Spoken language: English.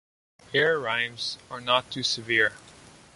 ‘Ere’ rhymes are not too severe.